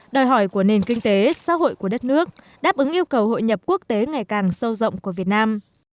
đòi hỏi của nền kinh tế xã hội của đất nước đáp ứng yêu cầu hội nhập quốc tế ngày càng sâu rộng của việt nam